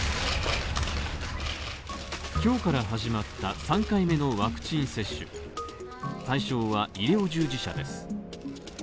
今日から始まった３回目のワクチン接種対象は医療従事者です。